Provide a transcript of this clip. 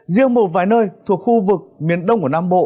riêng một vài nơi thuộc khu vực miền đông của nam bộ